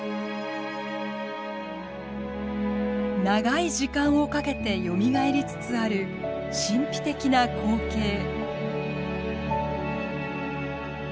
長い時間をかけてよみがえりつつある神秘的な光景。